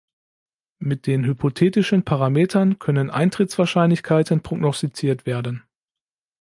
Mit den hypothetischen Parametern können Eintrittswahrscheinlichkeiten prognostiziert werden.